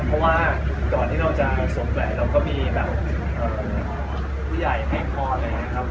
เพราะว่าก่อนที่เราจะสวมแหวนเราก็มีแบบผู้ใหญ่ไม่พออะไรอย่างนี้ครับ